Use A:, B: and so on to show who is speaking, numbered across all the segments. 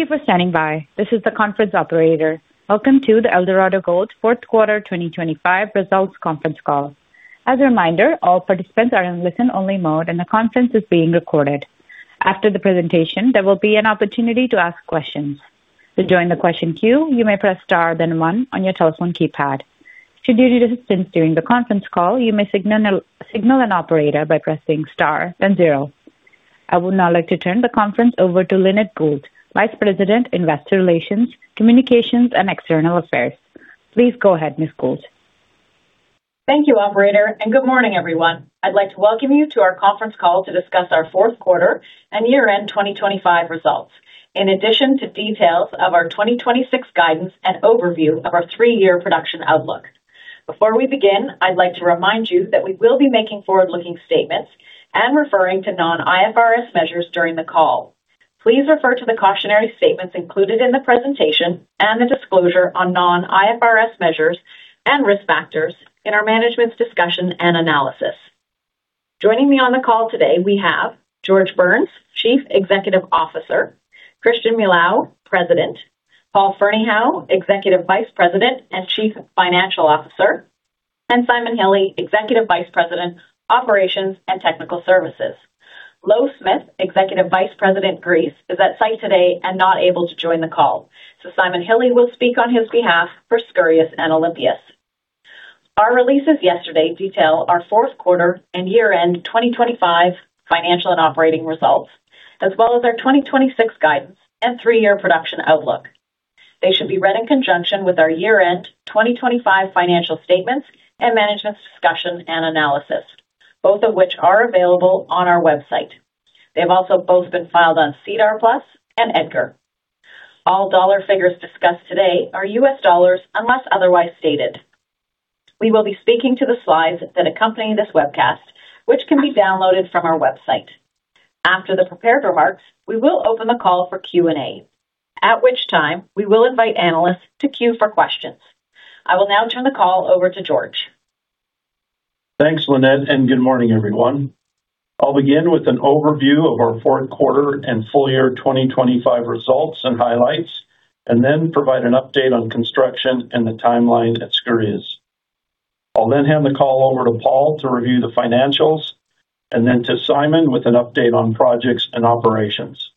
A: Thank you for standing by. This is the conference operator. Welcome to the Eldorado Gold Fourth Quarter 2025 Results Conference Call. As a reminder, all participants are in listen-only mode, and the conference is being recorded. After the presentation, there will be an opportunity to ask questions. To join the question queue, you may press star, then one on your telephone keypad. Should you need assistance during the conference call, you may signal an operator by pressing star then zero. I would now like to turn the conference over to Lynette Gould, Vice President, Investor Relations, Communications, and External Affairs. Please go ahead, Ms. Gould.
B: Thank you, operator, and good morning, everyone. I'd like to welcome you to our conference call to discuss our fourth quarter and year-end 2025 results, in addition to details of our 2026 guidance and overview of our three-year production outlook. Before we begin, I'd like to remind you that we will be making forward-looking statements and referring to non-IFRS measures during the call. Please refer to the cautionary statements included in the presentation and the disclosure on non-IFRS measures and risk factors in our management's discussion and analysis. Joining me on the call today, we have George Burns, Chief Executive Officer, Christian Milau, President, Paul Ferneyhough, Executive Vice President and Chief Financial Officer, and Simon Hille, Executive Vice President, Operations and Technical Services. Louw Smith, Executive Vice President, Greece, is at site today and not able to join the call, so Simon Hille will speak on his behalf for Skouries and Olympias. Our releases yesterday detail our fourth quarter and year-end 2025 financial and operating results, as well as our 2026 guidance and three-year production outlook. They should be read in conjunction with our year-end 2025 financial statements and management's discussion and analysis, both of which are available on our website. They've also both been filed on SEDAR+ and EDGAR. All dollar figures discussed today are U.S. dollars, unless otherwise stated. We will be speaking to the slides that accompany this webcast, which can be downloaded from our website. After the prepared remarks, we will open the call for Q&A, at which time we will invite analysts to queue for questions. I will now turn the call over to George.
C: Thanks, Lynette, and good morning, everyone. I'll begin with an overview of our fourth quarter and full year 2025 results and highlights, and then provide an update on construction and the timeline at Skouries. I'll then hand the call over to Paul to review the financials and then to Simon with an update on projects and operations.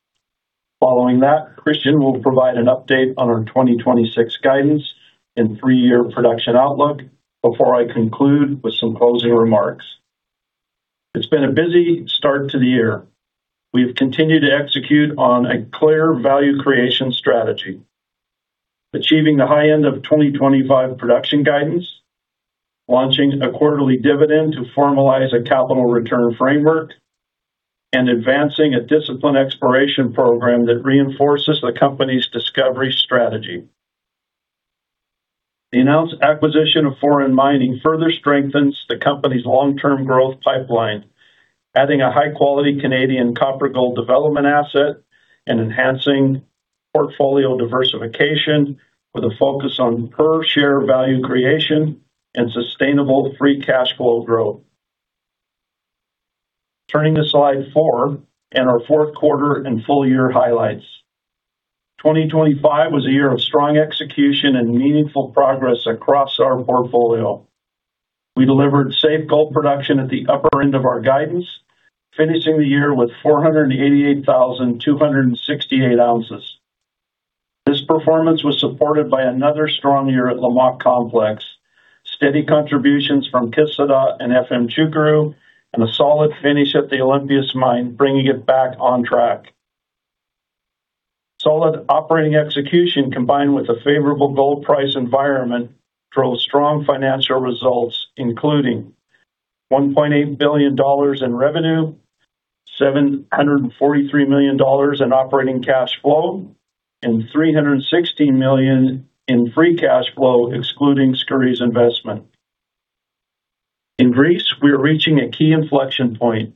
C: Following that, Christian will provide an update on our 2026 guidance and three-year production outlook before I conclude with some closing remarks. It's been a busy start to the year. We've continued to execute on a clear value creation strategy, achieving the high end of 2025 production guidance, launching a quarterly dividend to formalize a capital return framework, and advancing a disciplined exploration program that reinforces the company's discovery strategy. The announced acquisition of Foran Mining further strengthens the company's long-term growth pipeline, adding a high-quality Canadian copper gold development asset and enhancing portfolio diversification with a focus on per-share value creation and sustainable free cash flow growth. Turning to slide four and our fourth quarter and full-year highlights. 2025 was a year of strong execution and meaningful progress across our portfolio. We delivered safe gold production at the upper end of our guidance, finishing the year with 488,268 oz. This performance was supported by another strong year at Lamaque Complex, steady contributions from Kışladağ and Efemçukuru, and a solid finish at the Olympias mine, bringing it back on track. Solid operating execution, combined with a favorable gold price environment, drove strong financial results, including $1.8 billion in revenue, $743 million in operating cash flow, and $316 million in free cash flow, excluding Skouries investment. In Greece, we are reaching a key inflection point.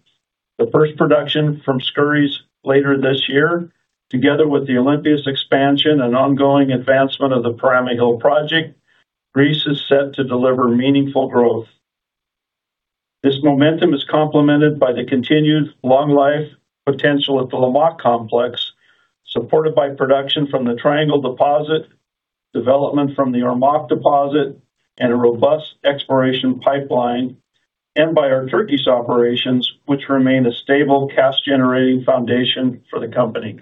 C: The first production from Skouries later this year, together with the Olympias expansion and ongoing advancement of the Perama Hill project, Greece is set to deliver meaningful growth. This momentum is complemented by the continued long life potential at the Lamaque Complex, supported by production from the Triangle deposit, development from the Ormaque deposit, and a robust exploration pipeline, and by our Turkish operations, which remain a stable cash-generating foundation for the company.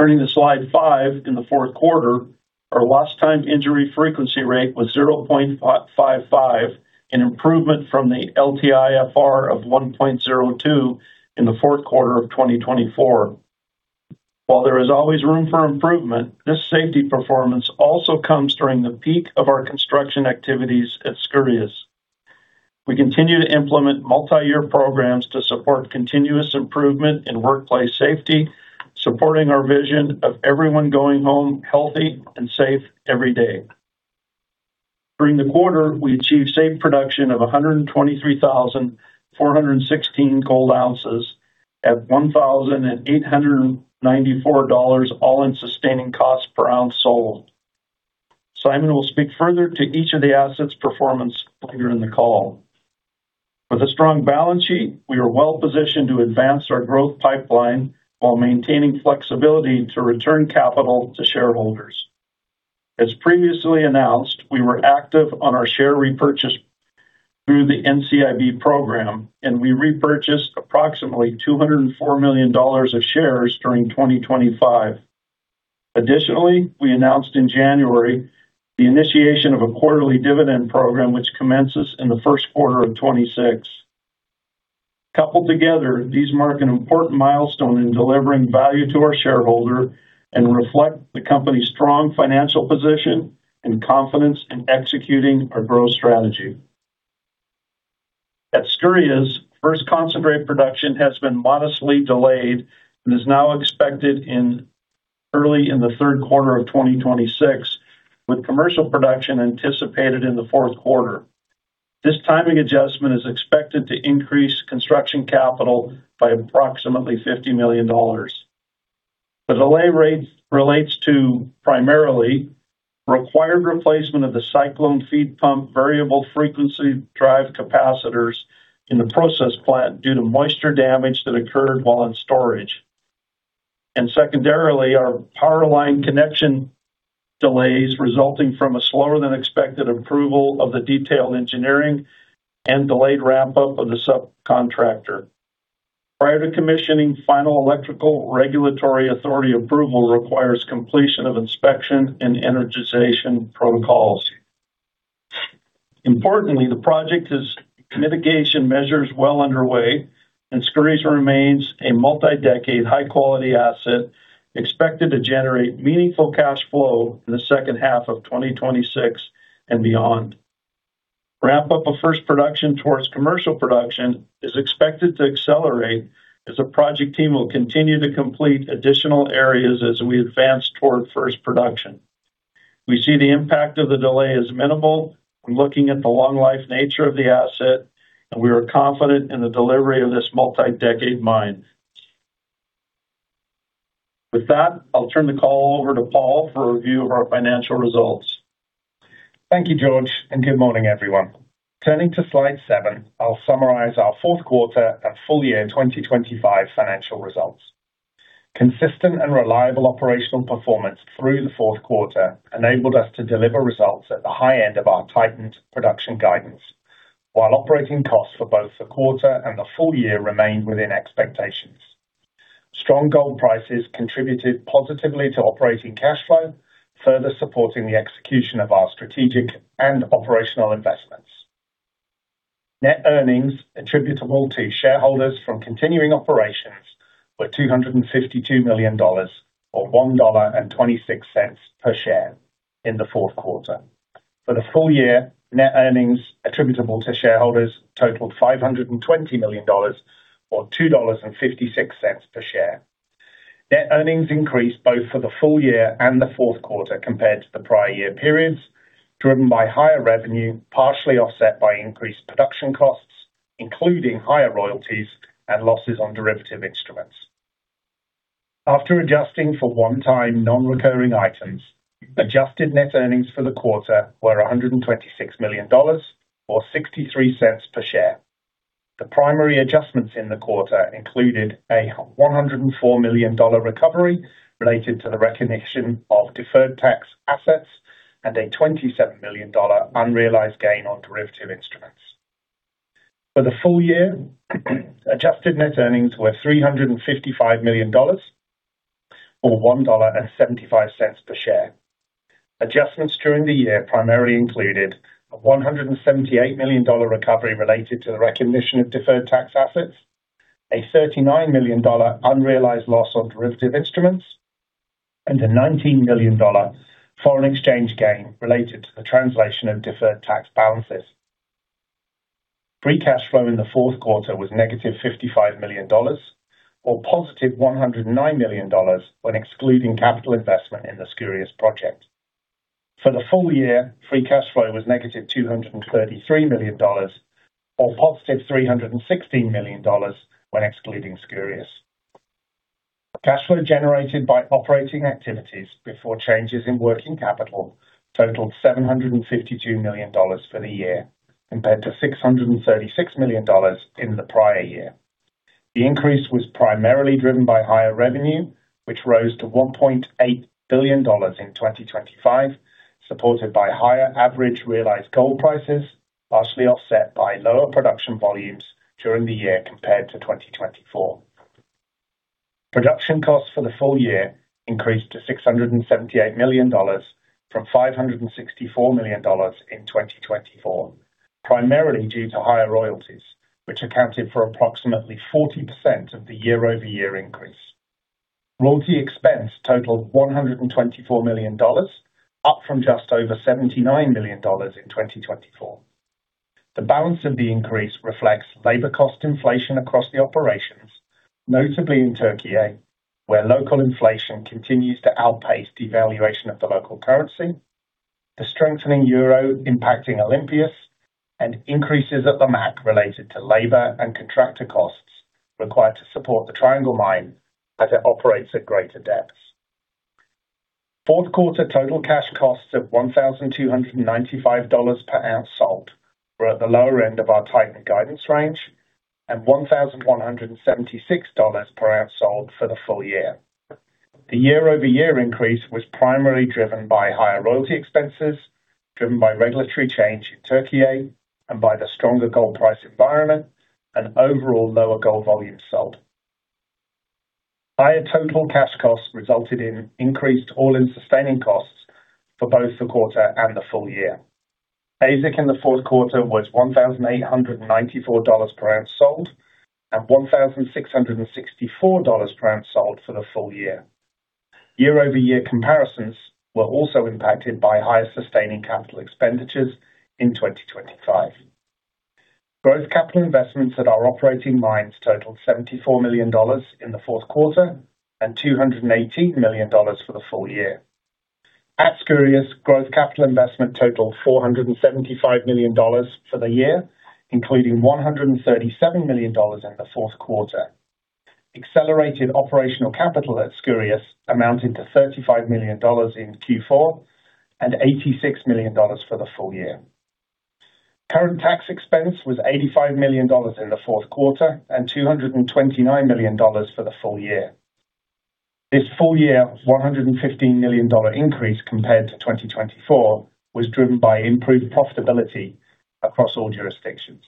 C: Turning to slide five, in the fourth quarter, our lost time injury frequency rate was 0.55, an improvement from the LTIFR of 1.02 in the fourth quarter of 2024. While there is always room for improvement, this safety performance also comes during the peak of our construction activities at Skouries. We continue to implement multi-year programs to support continuous improvement in workplace safety, supporting our vision of everyone going home healthy and safe every day. During the quarter, we achieved safe production of 123,416 gold ounces at $1,894 all in sustaining costs per ounce sold. Simon will speak further to each of the assets' performance later in the call. With a strong balance sheet, we are well positioned to advance our growth pipeline while maintaining flexibility to return capital to shareholders. As previously announced, we were active on our share repurchase through the NCIB program, and we repurchased approximately $204 million of shares during 2025. Additionally, we announced in January the initiation of a quarterly dividend program, which commences in the first quarter of 2026. Coupled together, these mark an important milestone in delivering value to our shareholder and reflect the company's strong financial position and confidence in executing our growth strategy. At Skouries, first concentrate production has been modestly delayed and is now expected early in the third quarter of 2026, with commercial production anticipated in the fourth quarter. This timing adjustment is expected to increase construction capital by approximately $50 million. The delay rate relates to primarily required replacement of the cyclone feed pump, variable frequency drive capacitors in the process plant due to moisture damage that occurred while in storage. Secondarily, our power line connection delays resulting from a slower than expected approval of the detailed engineering and delayed ramp-up of the subcontractor. Prior to commissioning, final electrical regulatory authority approval requires completion of inspection and energization protocols. Importantly, the project is mitigation measures well underway, and Skouries remains a multi-decade, high-quality asset expected to generate meaningful cash flow in the second half of 2026 and beyond. Wrap up of first production towards commercial production is expected to accelerate, as the project team will continue to complete additional areas as we advance toward first production. We see the impact of the delay as minimal when looking at the long life nature of the asset, and we are confident in the delivery of this multi-decade mine. With that, I'll turn the call over to Paul for a review of our financial results.
D: Thank you, George, and good morning, everyone. Turning to slide seven, I'll summarize our fourth quarter and full year 2025 financial results. Consistent and reliable operational performance through the fourth quarter enabled us to deliver results at the high end of our tightened production guidance, while operating costs for both the quarter and the full year remained within expectations. Strong gold prices contributed positively to operating cash flow, further supporting the execution of our strategic and operational investments. Net earnings attributable to shareholders from continuing operations were $252 million, or $1.26 per share in the fourth quarter. For the full year, net earnings attributable to shareholders totaled $520 million, or $2.56 per share. Net earnings increased both for the full year and the fourth quarter compared to the prior year periods, driven by higher revenue, partially offset by increased production costs, including higher royalties and losses on derivative instruments. After adjusting for one-time non-recurring items, adjusted net earnings for the quarter were $126 million or $0.63 per share. The primary adjustments in the quarter included a $104 million recovery related to the recognition of deferred tax assets and a $27 million unrealized gain on derivative instruments. For the full year, adjusted net earnings were $355 million, or $1.75 per share. Adjustments during the year primarily included a $178 million recovery related to the recognition of deferred tax assets, a $39 million unrealized loss on derivative instruments, and a $19 million foreign exchange gain related to the translation of deferred tax balances. Free cash flow in the fourth quarter was negative $55 million or positive $109 million when excluding capital investment in the Skouries project. For the full year, free cash flow was -$233 million, or +$316 million when excluding Skouries. Cash flow generated by operating activities before changes in working capital totaled $752 million for the year, compared to $636 million in the prior year. The increase was primarily driven by higher revenue, which rose to $1.8 billion in 2025, supported by higher average realized gold prices, partially offset by lower production volumes during the year compared to 2024. Production costs for the full year increased to $678 million from $564 million in 2024, primarily due to higher royalties, which accounted for approximately 40% of the year-over-year increase. Royalty expense totaled $124 million, up from just over $79 million in 2024. The balance of the increase reflects labor cost inflation across the operations, notably in Turkey, where local inflation continues to outpace devaluation of the local currency, the strengthening euro impacting Olympias, and increases at Lamaque related to labor and contractor costs required to support the Triangle Mine as it operates at greater depths. Fourth quarter total cash costs of $1,295 per ounce sold were at the lower end of our tightened guidance range, and $1,176 per ounce sold for the full year. The year-over-year increase was primarily driven by higher royalty expenses, driven by regulatory change in Türkiye, and by the stronger gold price environment and overall lower gold volume sold. Higher total cash costs resulted in increased all-in sustaining costs for both the quarter and the full year. AISC in the fourth quarter was $1,894 per ounce sold, and $1,664 per ounce sold for the full year. Year-over-year comparisons were also impacted by higher sustaining capital expenditures in 2025. Growth capital investments at our operating mines totaled $74 million in the fourth quarter and $218 million for the full year. At Skouries, growth capital investment totaled $475 million for the year, including $137 million in the fourth quarter. Accelerated operational capital at Skouries amounted to $35 million in Q4 and $86 million for the full year. Current tax expense was $85 million in the fourth quarter and $229 million for the full year. This full year, $115 million increase compared to 2024, was driven by improved profitability across all jurisdictions.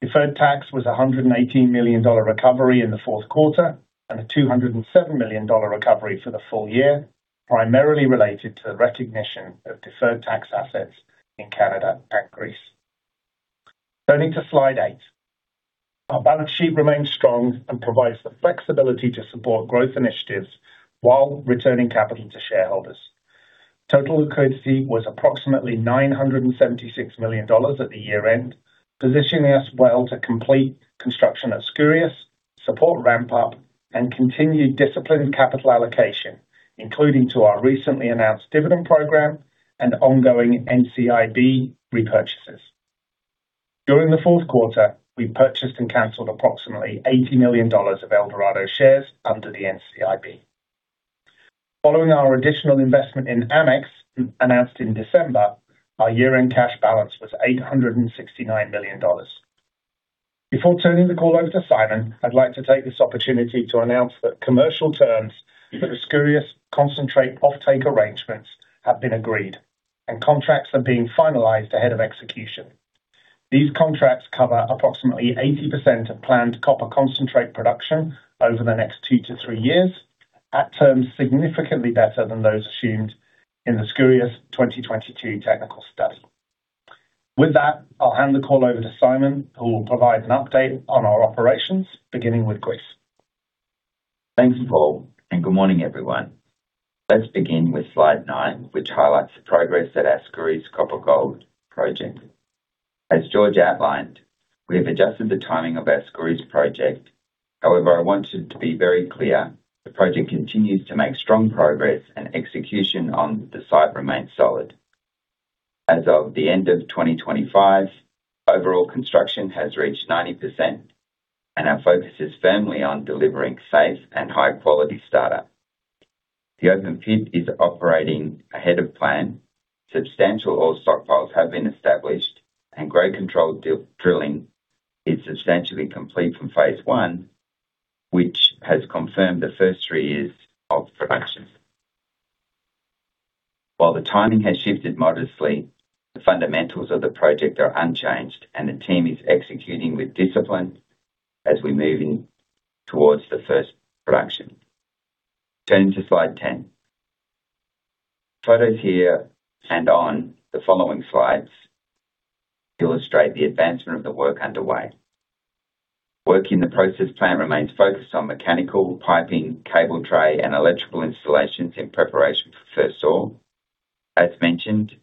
D: Deferred tax was a $118 million recovery in the fourth quarter and a $207 million recovery for the full year, primarily related to the recognition of deferred tax assets in Canada and Greece. Turning to slide eight. Our balance sheet remains strong and provides the flexibility to support growth initiatives while returning capital to shareholders. Total liquidity was approximately $976 million at the year-end, positioning us well to complete construction at Skouries, support ramp up, and continue disciplined capital allocation, including to our recently announced dividend program and ongoing NCIB repurchases. During the fourth quarter, we purchased and canceled approximately $80 million of Eldorado shares under the NCIB. Following our additional investment in Amex, announced in December, our year-end cash balance was $869 million. Before turning the call over to Simon, I'd like to take this opportunity to announce that commercial terms for the Skouries concentrate offtake arrangements have been agreed, and contracts are being finalized ahead of execution. These contracts cover approximately 80% of planned copper concentrate production over the next two-three years, at terms significantly better than those assumed in the Skouries 2022 technical study. With that, I'll hand the call over to Simon, who will provide an update on our operations, beginning with Greece.
E: Thanks, Paul, and good morning, everyone. Let's begin with slide nine, which highlights the progress at our Skouries copper-gold project. As George outlined, we have adjusted the timing of our Skouries project. However, I want you to be very clear, the project continues to make strong progress and execution on the site remains solid. As of the end of 2025, overall construction has reached 90%, and our focus is firmly on delivering safe and high-quality startup. The open pit is operating ahead of plan. Substantial ore stockpiles have been established, and growth control drilling is substantially complete from phase one, which has confirmed the first three years of production. While the timing has shifted modestly, the fundamentals of the project are unchanged and the team is executing with discipline as we move in towards the first production. Turning to slide 10. Photos here and on the following slides illustrate the advancement of the work underway. Work in the process plant remains focused on mechanical, piping, cable tray, and electrical installations in preparation for first ore. As mentioned,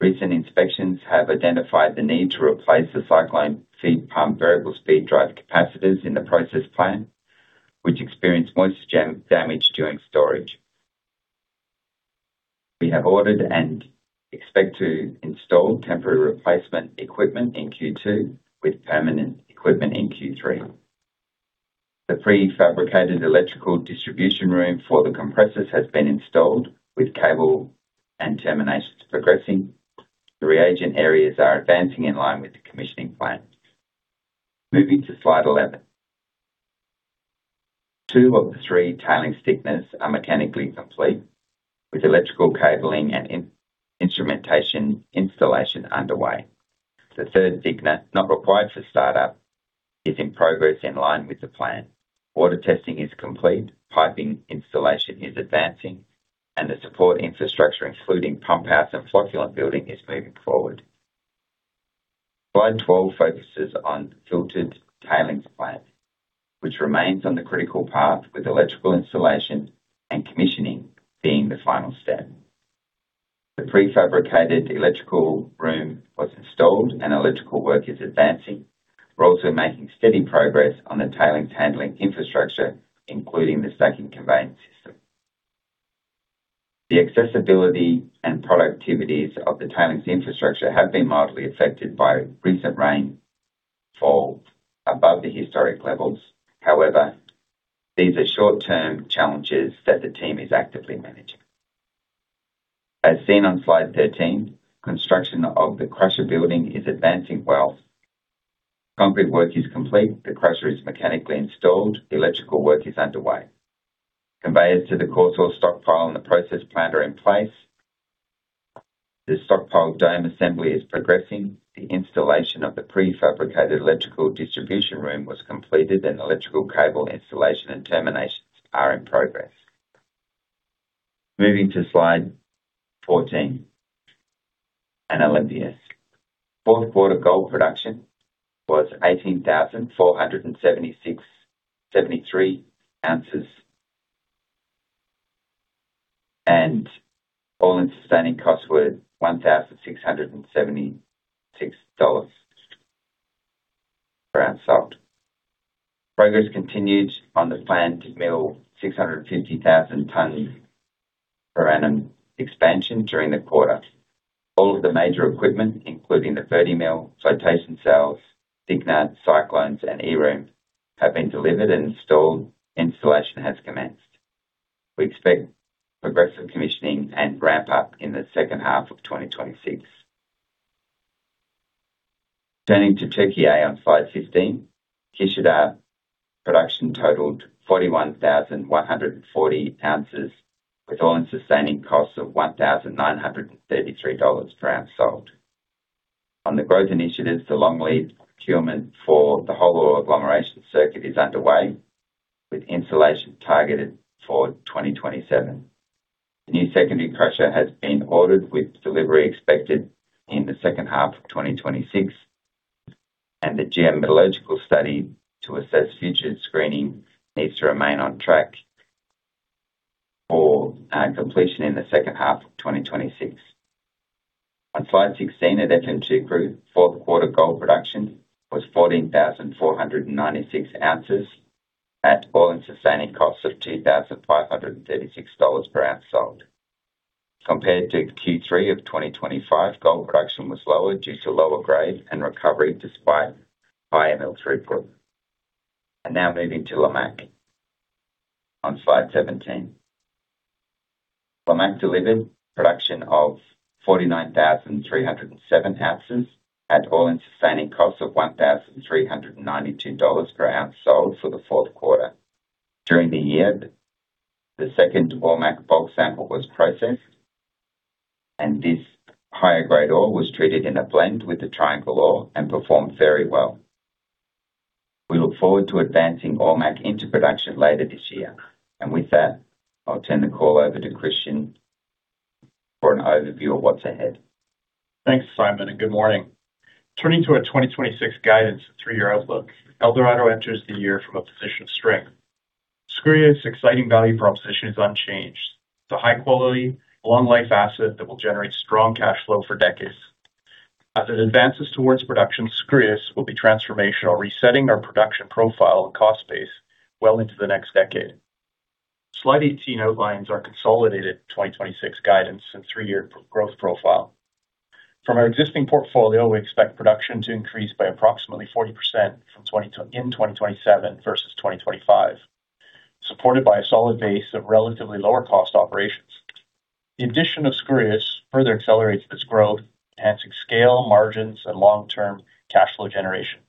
E: recent inspections have identified the need to replace the cyclone feed pump variable speed drive capacitors in the process plant, which experienced moisture damage during storage. We have ordered and expect to install temporary replacement equipment in Q2, with permanent equipment in Q3. The prefabricated electrical distribution room for the compressors has been installed, with cable and terminations progressing. The reagent areas are advancing in line with the commissioning plan. Moving to slide 11. Two of the three tailings thickeners are mechanically complete, with electrical cabling and instrumentation installation underway. The third thickener, not required for startup, is in progress in line with the plan. Water testing is complete, piping installation is advancing, and the support infrastructure, including pump house and flocculent building, is moving forward. Slide 12 focuses on filtered tailings plant, which remains on the critical path, with electrical installation and commissioning being the final step. The prefabricated electrical room was installed and electrical work is advancing. We're also making steady progress on the tailings handling infrastructure, including the stacking conveyance system. The accessibility and productivities of the tailings infrastructure have been mildly affected by recent rainfalls above the historic levels. However, these are short-term challenges that the team is actively managing. As seen on slide 13, construction of the crusher building is advancing well. Concrete work is complete. The crusher is mechanically installed. The electrical work is underway. Conveyors to the coarse stockpile and the process plant are in place. The stockpile dome assembly is progressing. The installation of the prefabricated electrical distribution room was completed, and electrical cable installation and terminations are in progress. Moving to slide 14, Olympias. Fourth quarter gold production was 18,476.73 oz, and all-in sustaining costs were $1,676 per ounce sold. Progress continued on the planned 650,000-tonne-per-annum expansion during the quarter. All of the major equipment, including the SAG mill, flotation cells, thickener, cyclones, and E-room, have been delivered and installed. Installation has commenced. We expect progressive commissioning and ramp up in the second half of 2026. Turning to Türkiye on slide 15. Kışladağ production totaled 41,140 oz, with all-in sustaining costs of $1,933 per ounce sold. On the growth initiatives, the long lead procurement for the whole agglomeration circuit is underway, with installation targeted for 2027. The new secondary crusher has been ordered, with delivery expected in the second half of 2026, and the geometallurgical study to assess future screening needs to remain on track for completion in the second half of 2026. On slide 16, Efemçukuru, fourth quarter gold production was 14,496 oz at all-in sustaining costs of $2,536 per ounce sold. Compared to Q3 of 2025, gold production was lower due to lower grade and recovery, despite high mill throughput. Now moving to Lamaque. On slide 17, Lamaque delivered production of 49,307 oz at all-in sustaining costs of $1,392 per ounce sold for the fourth quarter. During the year, the second Ormaque bulk sample was processed, and this higher grade ore was treated in a blend with the Triangle ore and performed very well. We look forward to advancing Ormaque into production later this year. With that, I'll turn the call over to Christian for an overview of what's ahead.
F: Thanks, Simon, and good morning. Turning to our 2026 guidance three-year outlook, Eldorado enters the year from a position of strength. Skouries exciting value proposition is unchanged. It's a high quality, long life asset that will generate strong cash flow for decades. As it advances towards production, Skouries will be transformational, resetting our production profile and cost base well into the next decade. Slide 18 outlines our consolidated 2026 guidance and three-year pro-growth profile. From our existing portfolio, we expect production to increase by approximately 40% from 2025 in 2027 versus 2025, supported by a solid base of relatively lower cost operations. The addition of Skouries further accelerates this growth, enhancing scale, margins, and long-term cash flow generation.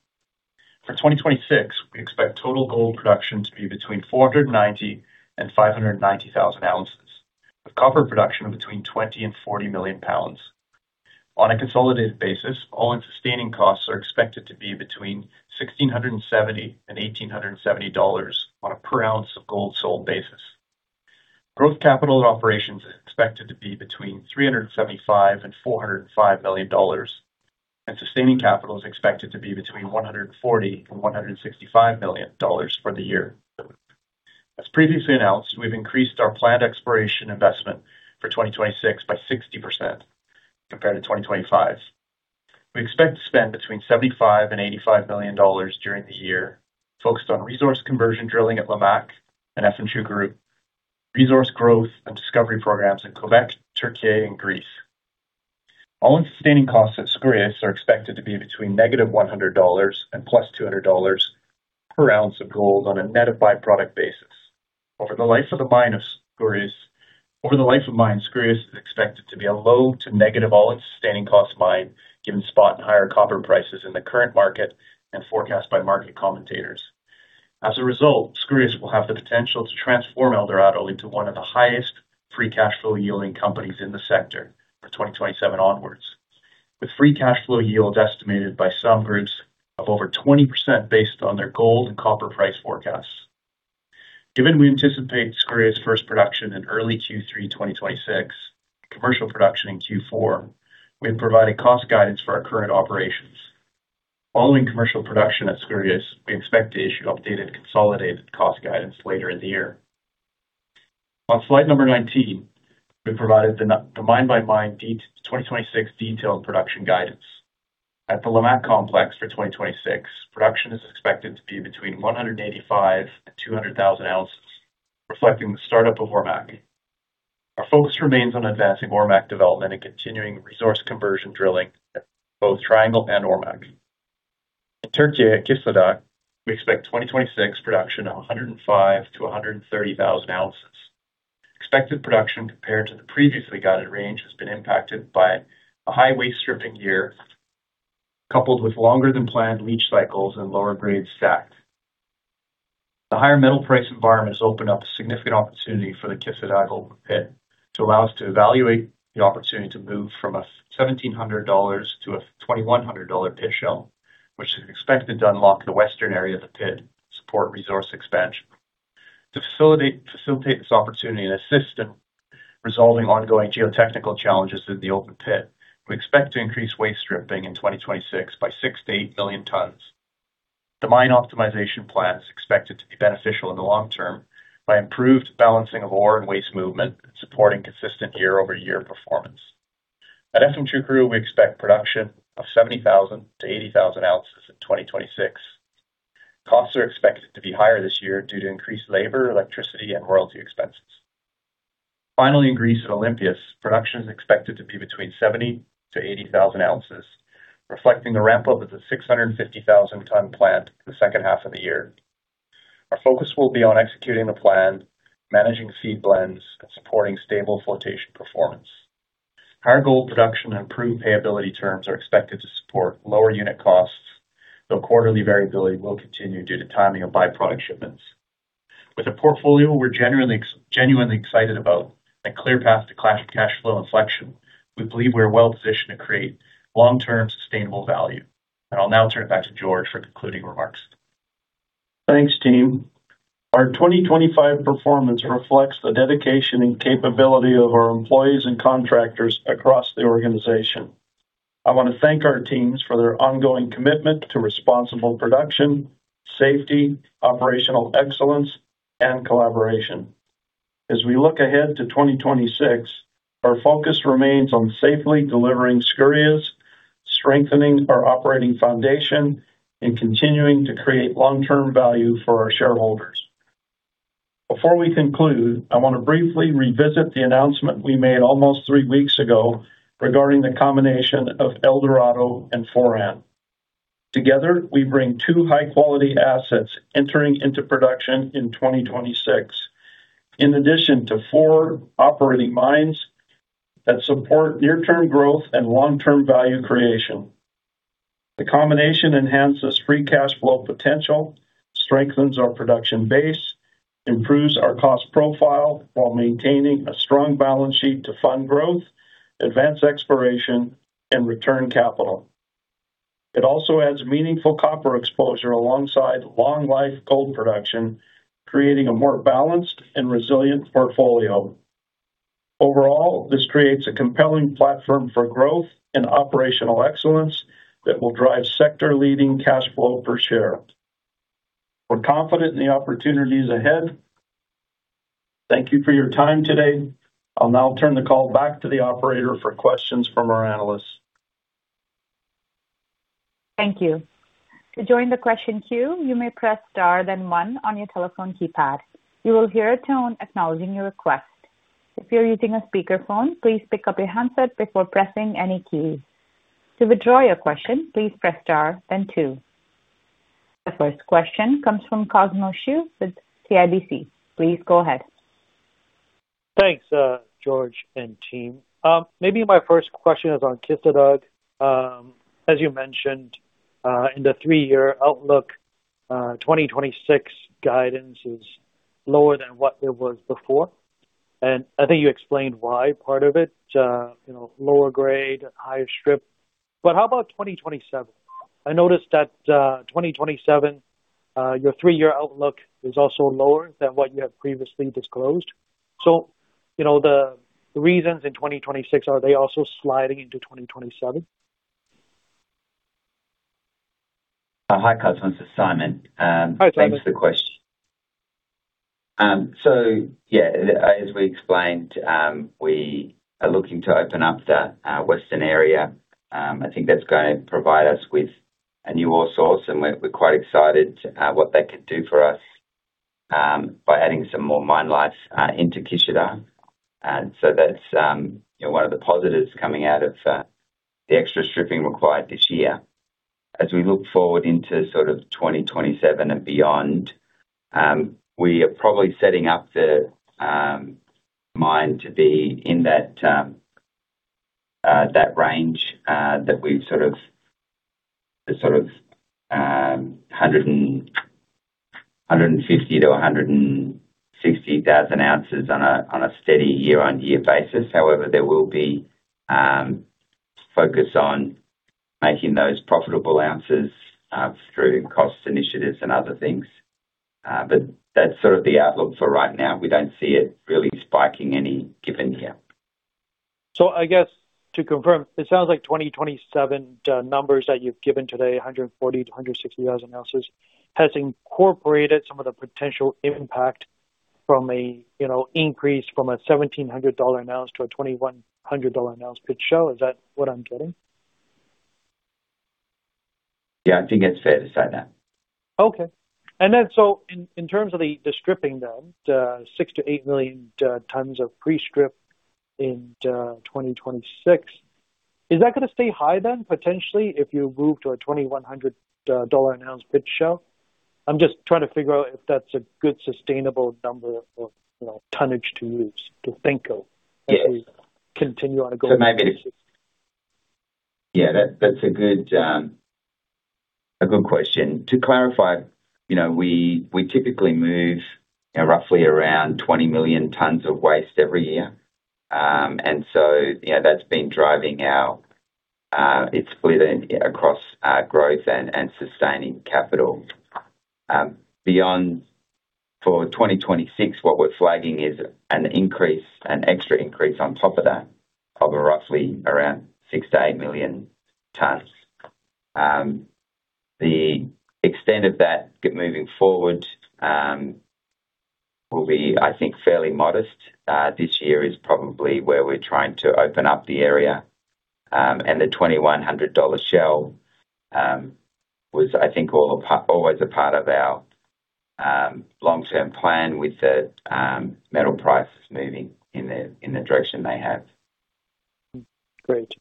F: For 2026, we expect total gold production to be between 490,000 and 590,000 oz, with copper production of between 20 and 40 million pounds. On a consolidated basis, all-in sustaining costs are expected to be between $1,670 and $1,870 on a per ounce of gold sold basis. Growth capital and operations is expected to be between $375 and $405 million, and sustaining capital is expected to be between $140 and $165 million for the year. As previously announced, we've increased our planned exploration investment for 2026 by 60% compared to 2025. We expect to spend between $75-$85 million during the year, focused on resource conversion drilling at Lamaque and Efemçukuru, resource growth and discovery programs in Québec, Türkiye and Greece. All-in sustaining costs at Skouries are expected to be between -$100 and +$200 per ounce of gold on a net-of-byproduct basis. Over the life of mine, Skouries is expected to be a low to negative all-in sustaining cost mine, given spot and higher copper prices in the current market and forecast by market commentators. As a result, Skouries will have the potential to transform Eldorado into one of the highest free cash flow yielding companies in the sector for 2027 onwards, with free cash flow yield estimated by some groups of over 20% based on their gold and copper price forecasts. Given we anticipate Skouries first production in early Q3, 2026, commercial production in Q4, we have provided cost guidance for our current operations. Following commercial production at Skouries, we expect to issue updated consolidated cost guidance later in the year. On slide number 19, we provided the mine-by-mine 2026 detailed production guidance. At the Lamaque Complex for 2026, production is expected to be between 185,000 and 200,000 oz, reflecting the start-up of Ormaque. Our focus remains on advancing Ormaque development and continuing resource conversion drilling at both Triangle and Ormaque. In Türkiye, at Kışladağ, we expect 2026 production of 105,000-130,000 oz. Expected production compared to the previously guided range has been impacted by a high waste stripping year, coupled with longer than planned leach cycles and lower grade stacked. The higher metal price environment has opened up a significant opportunity for the Kışladağ open pit to allow us to evaluate the opportunity to move from a $1,700 to a $2,100 pit shell, which is expected to unlock the western area of the pit support resource expansion. To facilitate this opportunity and assist in resolving ongoing geotechnical challenges in the open pit, we expect to increase waste stripping in 2026 by 6-8 million tons. The mine optimization plan is expected to be beneficial in the long term by improved balancing of ore and waste movement, supporting consistent year-over-year performance. At Efemçukuru, we expect production of 70,000-80,000 oz in 2026. Costs are expected to be higher this year due to increased labor, electricity, and royalty expenses. Finally, in Greece, at Olympias, production is expected to be between 70-80,000 oz, reflecting the ramp-up of the 650,000-ton plant in the second half of the year. Our focus will be on executing the plan, managing feed blends, and supporting stable flotation performance. Higher gold production and improved payability terms are expected to support lower unit costs, though quarterly variability will continue due to timing of byproduct shipments. With a portfolio we're generally genuinely excited about a clear path to cash, cash flow inflection, we believe we're well positioned to create long-term sustainable value. And I'll now turn it back to George for concluding remarks.
C: Thanks, team. Our 2025 performance reflects the dedication and capability of our employees and contractors across the organization. I want to thank our teams for their ongoing commitment to responsible production, safety, operational excellence, and collaboration. As we look ahead to 2026, our focus remains on safely delivering Skouries, strengthening our operating foundation, and continuing to create long-term value for our shareholders. Before we conclude, I want to briefly revisit the announcement we made almost three weeks ago regarding the combination of Eldorado and Foran. Together, we bring two high-quality assets entering into production in 2026, in addition to four operating mines that support near-term growth and long-term value creation. The combination enhances free cash flow potential, strengthens our production base, improves our cost profile while maintaining a strong balance sheet to fund growth, advance exploration, and return capital. It also adds meaningful copper exposure alongside long life gold production, creating a more balanced and resilient portfolio. Overall, this creates a compelling platform for growth and operational excellence that will drive sector-leading cash flow per share. We're confident in the opportunities ahead. Thank you for your time today. I'll now turn the call back to the operator for questions from our analysts.
A: Thank you. To join the question queue, you may press star, then one on your telephone keypad. You will hear a tone acknowledging your request. If you're using a speakerphone, please pick up your handset before pressing any keys. To withdraw your question, please press star, then two. The first question comes from Cosmos Chiu with CIBC. Please go ahead.
G: Thanks, George and team. Maybe my first question is on Kışladağ. As you mentioned, in the three-year outlook, 2026 guidance is lower than what it was before, and I think you explained why part of it, you know, lower grade, higher strip. But how about 2027? I noticed that, 2027, your three-year outlook is also lower than what you have previously disclosed. So, you know, the reasons in 2026, are they also sliding into 2027?
E: Hi, Cosmos, this is Simon.
G: Hi, Simon.
E: Thanks for the question. So yeah, as we explained, we are looking to open up the western area. I think that's going to provide us with a new ore source, and we're quite excited to what that could do for us by adding some more mine lives into Kışladağ. So that's you know, one of the positives coming out of the extra stripping required this year. As we look forward into sort of 2027 and beyond, we are probably setting up the mine to be in that range that we've sort of 150,000-160,000 oz on a steady year-on-year basis. However, there will be focus on making those profitable ounces through cost initiatives and other things. But that's sort of the outlook for right now. We don't see it really spiking any given year.
G: So I guess to confirm, it sounds like 2027 numbers that you've given today, 140,000-160,000 oz, has incorporated some of the potential impact from a, you know, increase from a $1,700 an ounce to a $2,100 an ounce pit shell. Is that what I'm getting?
E: Yeah, I think it's fair to say that.
G: Okay. And then, so in terms of the stripping, then, the 6-8 million tons of pre-strip in 2026, is that gonna stay high then, potentially, if you move to a $2,100 an ounce pit shell? I'm just trying to figure out if that's a good, sustainable number of, you know, tonnage to move, to think of-
E: Yes.
G: as we continue on a go.
E: So maybe... Yeah, that, that's a good, a good question. To clarify, you know, we, we typically move, you know, roughly around 20 million tons of waste every year. And so, you know, that's been driving our, it's split in across our growth and, and sustaining capital. Beyond, for 2026, what we're flagging is an increase, an extra increase on top of that, of roughly around 6-8 million tons. The extent of that moving forward, will be, I think, fairly modest. This year is probably where we're trying to open up the area. And the $2,100 shell, was, I think, all a part, always a part of our, long-term plan with the, metal prices moving in the, in the direction they have.
G: Great.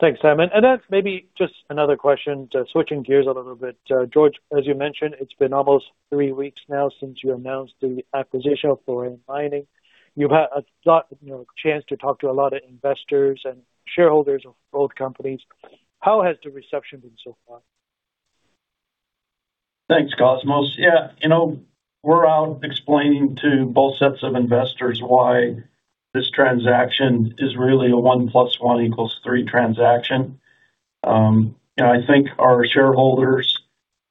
G: Thanks, Simon. And that's maybe just another question, switching gears a little bit. George, as you mentioned, it's been almost three weeks now since you announced the acquisition for Foran Mining. You've had a lot, you know, chance to talk to a lot of investors and shareholders of both companies. How has the reception been so far?
C: Thanks, Cosmo. Yeah, you know, we're out explaining to both sets of investors why this transaction is really a 1 + 1 = 3 transaction. And I think our shareholders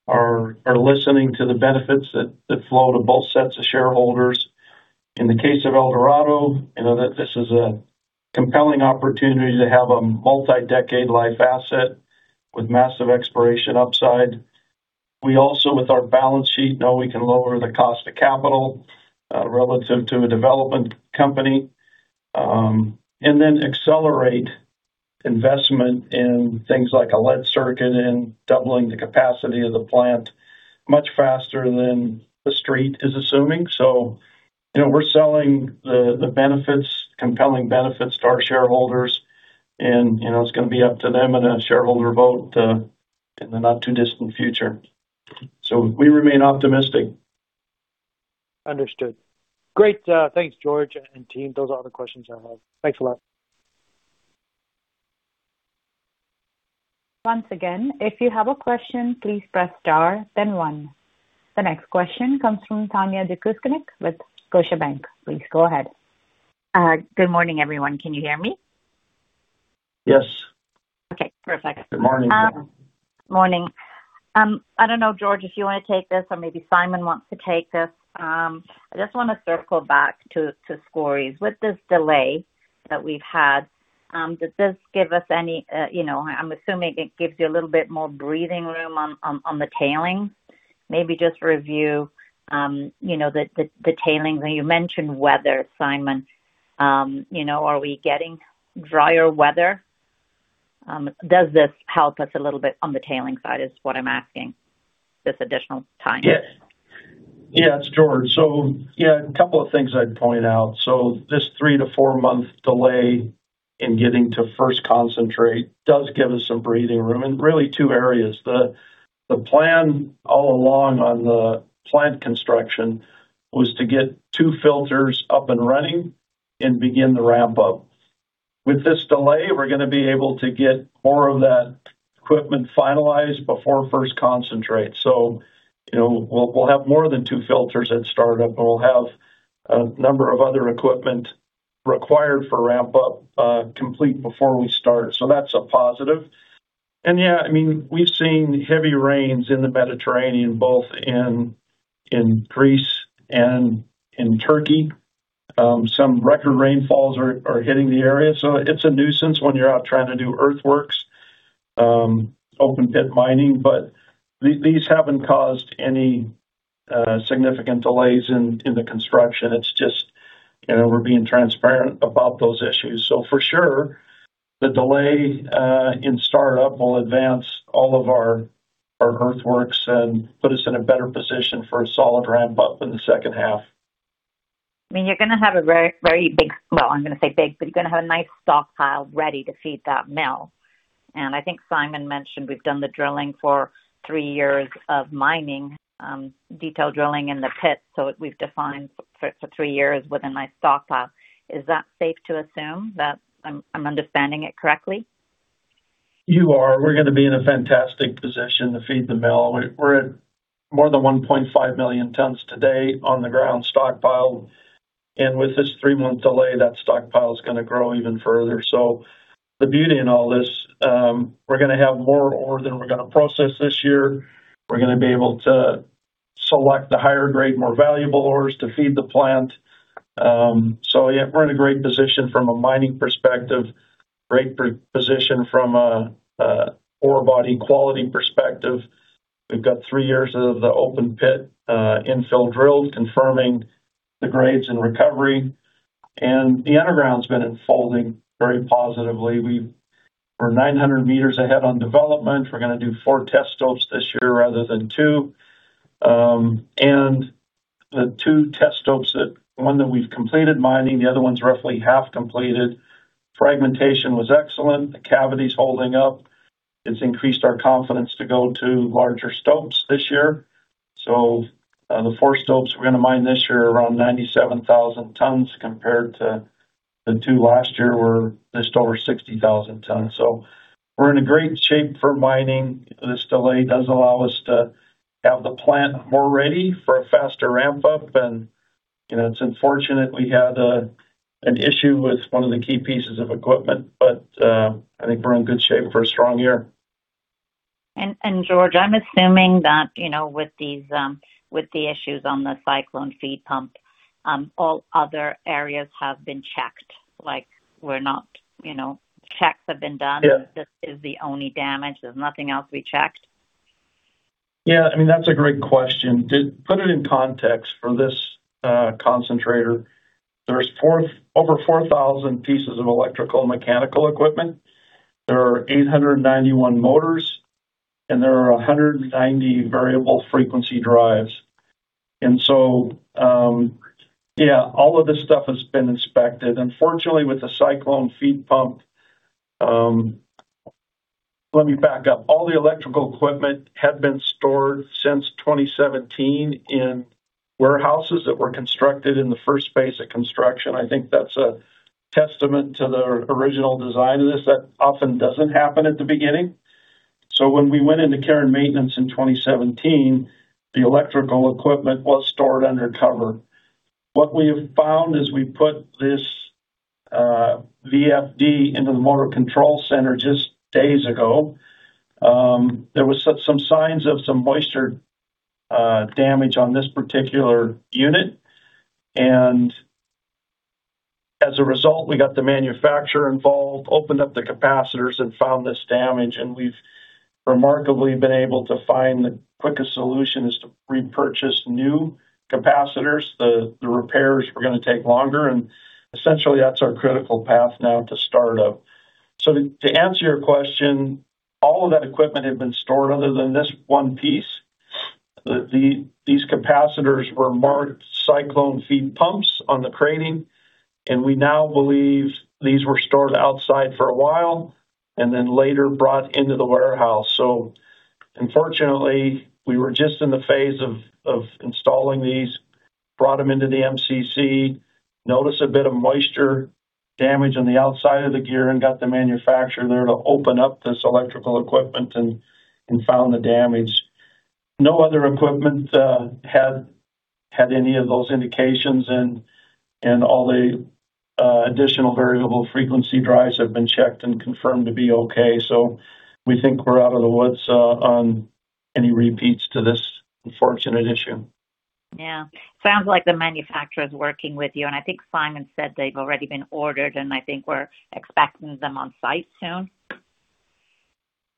C: are listening to the benefits that flow to both sets of shareholders. In the case of Eldorado, you know, that this is a compelling opportunity to have a multi-decade life asset with massive exploration upside. We also, with our balance sheet, know we can lower the cost of capital relative to a development company. And then accelerate investment in things like a lead circuit and doubling the capacity of the plant much faster than the street is assuming. So, you know, we're selling the benefits, compelling benefits to our shareholders, and, you know, it's gonna be up to them in a shareholder vote in the not-too-distant future. So we remain optimistic.
G: Understood. Great. Thanks, George and team. Those are all the questions I have. Thanks a lot.
A: Once again, if you have a question, please press star, then One. The next question comes from Tanya Jakusconek with Scotiabank. Please go ahead.
H: Good morning, everyone. Can you hear me?
C: Yes.
H: Okay, perfect.
C: Good morning.
H: Morning. I don't know, George, if you wanna take this, or maybe Simon wants to take this. I just wanna circle back to Skouries. With this delay that we've had, does this give us any, you know, I'm assuming it gives you a little bit more breathing room on the tailings. Maybe just review, you know, the tailings. And you mentioned weather, Simon. You know, are we getting drier weather? Does this help us a little bit on the tailings side, is what I'm asking, this additional time?
C: Yes. Yeah, it's George. So, yeah, a couple of things I'd point out. So this three-four-month delay in getting to first concentrate does give us some breathing room in really two areas. The plan all along on the plant construction was to get two filters up and running and begin the ramp up. With this delay, we're gonna be able to get more of that equipment finalized before first concentrate. So, you know, we'll, we'll have more than two filters at startup. We'll have a number of other equipment required for ramp up, complete before we start. So that's a positive. And yeah, I mean, we've seen heavy rains in the Mediterranean, both in Greece and in Turkey. Some record rainfalls are hitting the area, so it's a nuisance when you're out trying to do earthworks, open-pit mining. But these haven't caused any significant delays in the construction. It's just, you know, we're being transparent about those issues. So for sure, the delay in startup will advance all of our earthworks and put us in a better position for a solid ramp-up in the second half.
H: I mean, you're gonna have a very, very big... Well, I'm gonna say big, but you're gonna have a nice stockpile ready to feed that mill. And I think Simon mentioned we've done the drilling for three years of mining, detail drilling in the pit. So we've defined for three years with a nice stockpile. Is that safe to assume that I'm understanding it correctly?
C: You are. We're gonna be in a fantastic position to feed the mill. We're at more than 1.5 million tons today on the ground stockpile, and with this three-month delay, that stockpile is gonna grow even further. So the beauty in all this, we're gonna have more ore than we're gonna process this year. We're gonna be able to select the higher grade, more valuable ores to feed the plant. So yeah, we're in a great position from a mining perspective, great position from a ore body quality perspective. We've got three years of the open pit infill drills confirming the grades and recovery, and the underground's been unfolding very positively. We're 900 meters ahead on development. We're gonna do four test stopes this year rather than two. And the two test stopes that we've completed mining, the other one's roughly half completed. Fragmentation was excellent. The cavity's holding up. It's increased our confidence to go to larger stopes this year. So, the four stopes we're gonna mine this year are around 97,000 tons, compared to the two last year were just over 60,000 tons. So we're in a great shape for mining. This delay does allow us to have the plant more ready for a faster ramp up and, you know, it's unfortunate we had a, an issue with one of the key pieces of equipment, but, I think we're in good shape for a strong year.
H: George, I'm assuming that, you know, with these, with the issues on the cyclone feed pump, all other areas have been checked, like, we're not, you know, checks have been done-
C: Yeah.
H: This is the only damage. There's nothing else we checked?
C: Yeah, I mean, that's a great question. To put it in context, for this concentrator, there's four-- over 4,000 pieces of electrical and mechanical equipment. There are 891 motors, and there are 190 variable frequency drives. And so, yeah, all of this stuff has been inspected. Unfortunately, with the cyclone feed pump, Let me back up. All the electrical equipment had been stored since 2017 in warehouses that were constructed in the first phase of construction. I think that's a testament to the original design of this. That often doesn't happen at the beginning. So when we went into care and maintenance in 2017, the electrical equipment was stored under cover. What we have found as we put this VFD into the motor control center just days ago, there was some, some signs of some moisture damage on this particular unit. And as a result, we got the manufacturer involved, opened up the capacitors and found this damage, and we've remarkably been able to find the quickest solution is to repurchase new capacitors. The repairs were gonna take longer, and essentially that's our critical path now to start up. So to answer your question, all of that equipment had been stored other than this one piece. These capacitors were marked cyclone feed pumps on the craning, and we now believe these were stored outside for a while and then later brought into the warehouse. So unfortunately, we were just in the phase of installing these, brought them into the MCC, noticed a bit of moisture damage on the outside of the gear and got the manufacturer there to open up this electrical equipment and found the damage. No other equipment had any of those indications, and all the additional variable frequency drives have been checked and confirmed to be okay, so we think we're out of the woods on any repeats to this unfortunate issue.
H: Yeah. Sounds like the manufacturer is working with you, and I think Simon said they've already been ordered, and I think we're expecting them on site soon.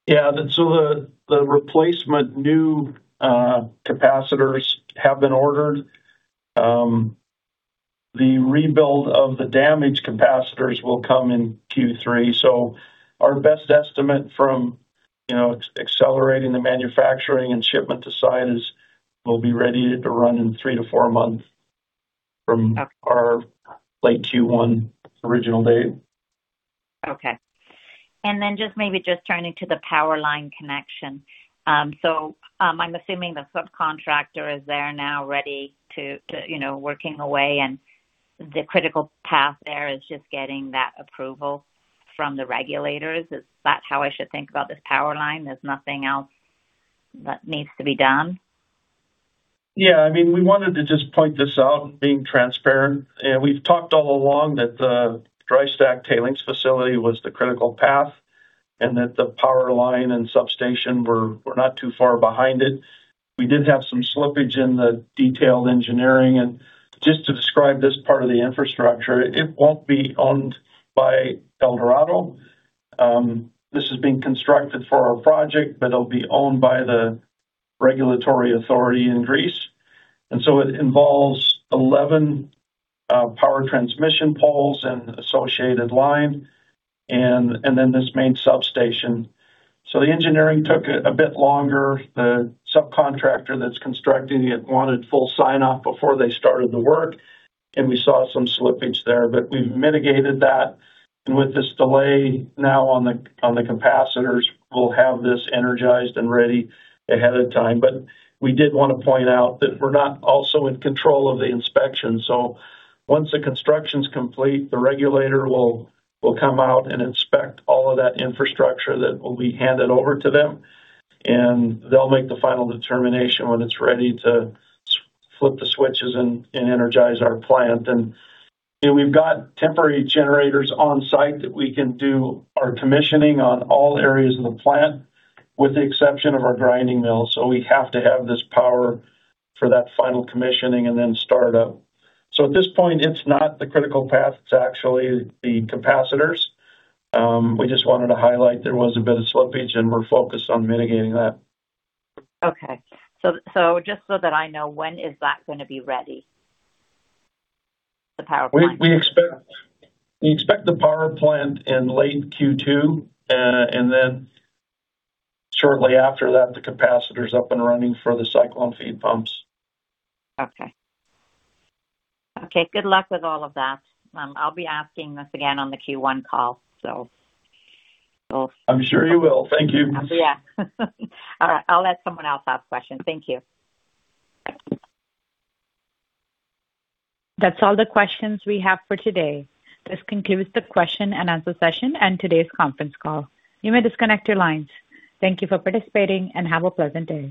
C: Yeah, so the replacement new capacitors have been ordered. The rebuild of the damaged capacitors will come in Q3. So our best estimate from, you know, accelerating the manufacturing and shipment to site is, we'll be ready to run in three-four months from our late Q1 original date.
H: Okay. And then just maybe just turning to the power line connection. So, I'm assuming the subcontractor is there now, ready to, you know, working away, and the critical path there is just getting that approval from the regulators. Is that how I should think about this power line? There's nothing else that needs to be done.
C: Yeah, I mean, we wanted to just point this out, being transparent, and we've talked all along that the dry stack tailings facility was the critical path and that the power line and substation were not too far behind it. We did have some slippage in the detailed engineering, and just to describe this part of the infrastructure, it won't be owned by Eldorado. This is being constructed for our project, but it'll be owned by the regulatory authority in Greece, and so it involves 11 power transmission poles and associated line, and then this main substation. So the engineering took a bit longer. The subcontractor that's constructing it wanted full sign-off before they started the work, and we saw some slippage there, but we've mitigated that. And with this delay now on the capacitors, we'll have this energized and ready ahead of time. But we did want to point out that we're not also in control of the inspection. So once the construction's complete, the regulator will come out and inspect all of that infrastructure that will be handed over to them, and they'll make the final determination when it's ready to flip the switches and energize our plant. And, you know, we've got temporary generators on site that we can do our commissioning on all areas of the plant, with the exception of our grinding mill. So we have to have this power for that final commissioning and then start up. So at this point, it's not the critical path, it's actually the capacitors. We just wanted to highlight there was a bit of slippage, and we're focused on mitigating that.
H: Okay. So, just so that I know, when is that gonna be ready, the power plant?
C: We expect the power plant in late Q2, and then shortly after that, the capacitor is up and running for the cyclone feed pumps.
H: Okay. Okay, good luck with all of that. I'll be asking this again on the Q1 call, so, we'll-
C: I'm sure you will. Thank you.
H: Yeah. All right. I'll let someone else ask questions. Thank you.
A: That's all the questions we have for today. This concludes the question and answer session and today's conference call. You may disconnect your lines. Thank you for participating, and have a pleasant day.